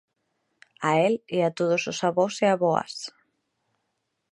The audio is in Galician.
A el e a todos os avós e avoas.